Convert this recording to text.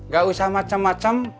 gak usah macem macem